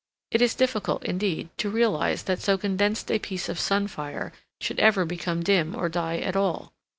It is difficult, indeed, to realize that so condensed a piece of sun fire should ever become dim or die at all.